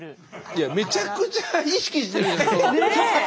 いやめちゃくちゃ意識してるじゃん。